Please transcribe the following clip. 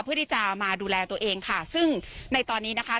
เพื่อที่จะมาดูแลตัวเองค่ะซึ่งในตอนนี้นะคะ